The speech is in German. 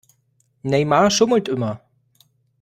Neymar schummelt immer.